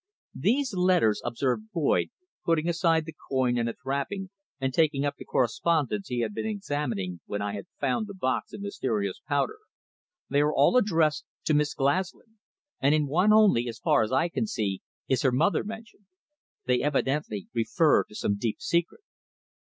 "These letters," observed Boyd, putting aside the coin and its wrapping and taking up the correspondence he had been examining when I had found the box of mysterious powder, "they are all addressed to Miss Glaslyn, and in one only, as far as I can see, is her mother mentioned. They evidently refer to some deep secret."